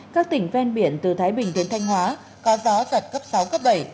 các tỉnh ven biển từ thái bình đến thanh hóa có gió giật cấp sáu cấp bảy